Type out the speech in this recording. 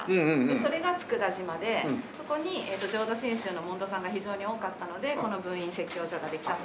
それが佃島でそこに浄土真宗の門徒さんが非常に多かったのでこの分院説教所ができたと。